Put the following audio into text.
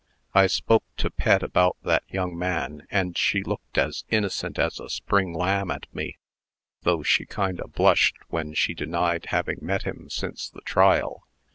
I spoke to Pet about that young man, and she looked as innocent as a spring lamb at me, though she kind o' blushed when she denied having met him since the trial.